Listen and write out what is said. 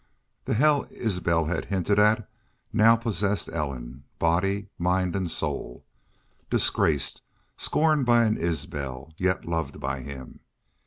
The hell Isbel had hinted at now possessed Ellen body, mind, and soul. Disgraced, scorned by an Isbel! Yet loved by him!